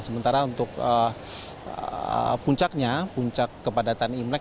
sementara untuk puncaknya puncak kepadatan imlek